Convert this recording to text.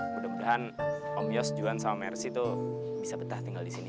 mudah mudahan om yos juan sama mercy itu bisa betah tinggal di sini